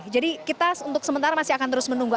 jadi kita untuk sementara masih akan terus menunggu